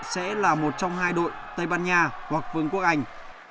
sẽ là một trong hai đội tây ban nha hoặc vương quốc anh